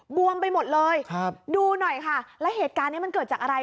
บวมไปหมดเลยครับดูหน่อยค่ะแล้วเหตุการณ์นี้มันเกิดจากอะไร